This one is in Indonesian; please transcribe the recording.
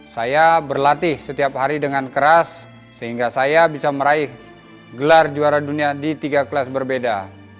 saya berlatih setiap hari dengan keras sehingga saya bisa meraih gelar juara dunia di tiga kelas berbeda